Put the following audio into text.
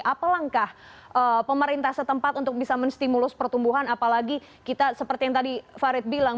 apa langkah pemerintah setempat untuk bisa menstimulus pertumbuhan apalagi kita seperti yang tadi farid bilang